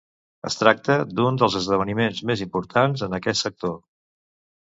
Es tracta d'un dels esdeveniments més importants en aquest sector.